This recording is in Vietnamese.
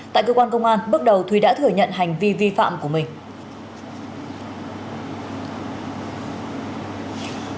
tại cơ quan công an bước đầu thúy đã thừa nhận hành vi vi phạm của mình